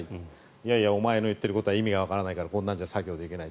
いやいやお前の言っていることは意味がわからないからこんなんじゃ作業できない